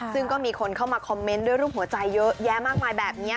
ซึ่งก็มีคนเข้ามาคอมเมนต์ด้วยรูปหัวใจเยอะแยะมากมายแบบนี้